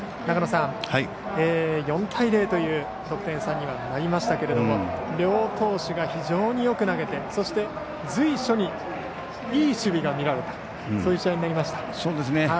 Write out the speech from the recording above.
長野さん、４対０という得点差にはなりましたけれども両投手が非常によく投げてそして随所にいい守備が見られたそういう試合になりました。